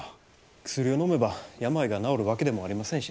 薬をのめば病が治るわけでもありませんしね。